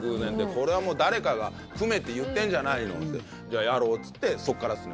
「これはもう誰かが組めって言ってんじゃないの？」って「じゃあやろう」っつってそっからっすね